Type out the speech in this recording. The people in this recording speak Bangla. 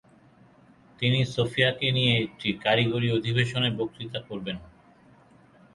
তিনি সোফিয়াকে নিয়ে একটি কারিগরি অধিবেশনে বক্তৃতা করবেন।